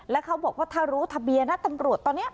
แล้วเขาบอกว่าถ้ารู้ทะเบียนนะตำรวจตอนนี้